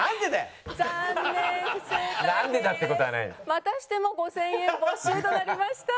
またしても５０００円没収となりました。